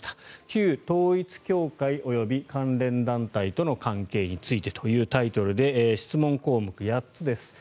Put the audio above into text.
旧統一教会及び関連団体との関係についてというタイトルで質問項目８つです。